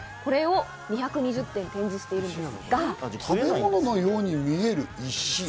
これを２２０点展示しているんで食べ物のように見える石？